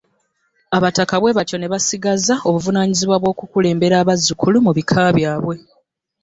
Abataka bwebatyo ne basigaza obuvunaanyizibwa bw'okukulembera abazzukulu mu bika byabwe.